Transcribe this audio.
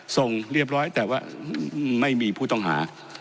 ส่งเรียบร้อยแต่ว่าไม่มีผู้ต้องหา